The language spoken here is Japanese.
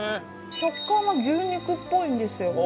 食感は牛肉っぽいんですよ。